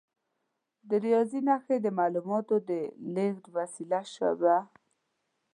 د ریاضي نښې د معلوماتو د لیږد وسیله شوه.